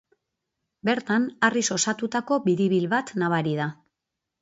Bertan harriz osatutako biribil bat nabari da.